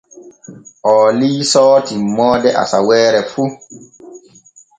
Oo liisoo timmoode asaweere fu.